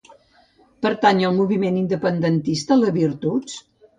Pertany al moviment independentista la Virtuts?